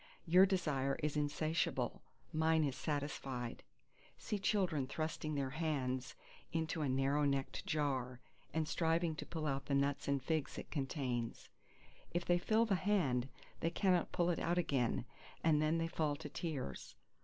Your desire is insatiable, mine is satisfied. See children thrusting their hands into a narrow necked jar, and striving to pull out the nuts and figs it contains: if they fill the hand, they cannot pull it out again, and then they fall to tears.